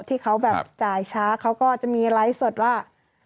ที่เขาแบบจ่ายช้าเขาก็จะมีไลฟ์สดว่า